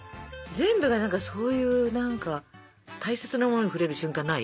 全部が何かそういう何か大切なものに触れる瞬間ない？